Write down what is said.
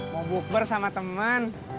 mau bukber sama temen